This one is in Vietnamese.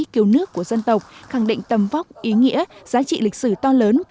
cứu nước của dân tộc khẳng định tầm vóc ý nghĩa giá trị lịch sử to lớn